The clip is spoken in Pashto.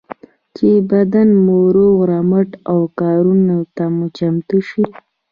چې بدن مو روغ رمټ او کارونو ته چمتو شي.